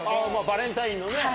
バレンタインのね。